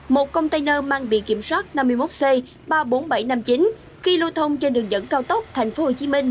một container mang bị kiểm soát năm mươi một c ba mươi bốn nghìn bảy trăm năm mươi chín khi lưu thông trên đường dẫn cao tốc thành phố hồ chí minh